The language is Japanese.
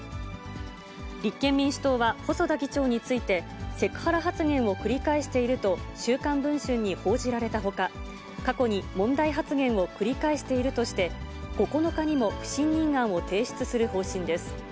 立憲民主党は細田議長について、セクハラ発言を繰り返していると、週刊文春に報じられたほか、過去に問題発言を繰り返しているとして、９日にも、不信任案を提出する方針です。